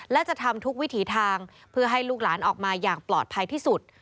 และจะทำทุกวิถีทางเพื่อให้ลูกหลานออกมาอย่างปลอดภัยที่สุด